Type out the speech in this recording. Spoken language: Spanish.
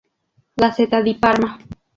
Gazzetta di Parma.